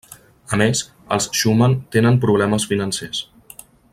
A més, els Schumann tenen problemes financers.